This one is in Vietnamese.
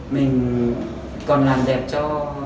mình còn làm đẹp cho